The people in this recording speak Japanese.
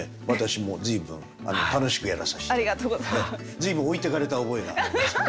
随分置いてかれた覚えがありますね。